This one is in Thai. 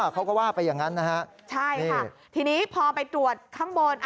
เขาก็ว่าไปอย่างนั้นนะฮะใช่ค่ะทีนี้พอไปตรวจข้างบน